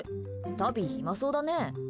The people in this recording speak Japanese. タビ暇そうだね。